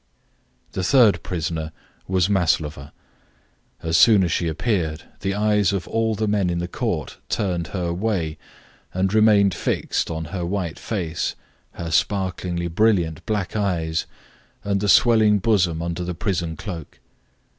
The third prisoner was Maslova. As soon as she appeared, the eyes of all the men in the court turned her way, and remained fixed on her white face, her sparklingly brilliant black eyes and the swelling bosom under the prison cloak.